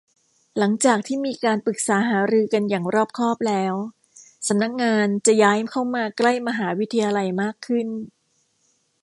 หลังจากที่มีการปรึกษาหารือกันอย่างรอบคอบแล้ว สำนักงานจะย้ายเข้ามาใกล้มหาวิทยาลัยมากขึ้น